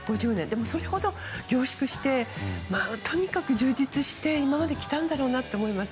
でもそれほど凝縮して、とにかく充実して今まで来たんだろうなと思います。